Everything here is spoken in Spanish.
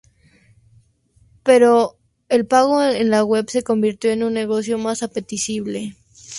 Pero el pago en la web se convirtió en un negocio más apetecible.